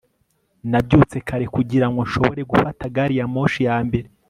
Nabyutse kare kugira ngo nshobore gufata gari ya moshi ya mbere